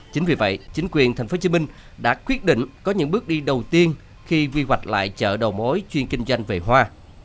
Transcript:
chính vì vậy chính quyền tp hcm đã quyết định có những bước đi đầu tiên khi vi hoạch lại chợ đầu mối chuyên kinh doanh về hoa